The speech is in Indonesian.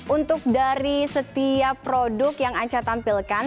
untuk dari setiap produk yang anca tampilkan